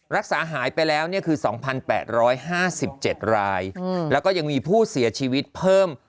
รักษาหายไปแล้วคือ๒๘๕๗รายแล้วก็ยังมีผู้เสียชีวิตเพิ่ม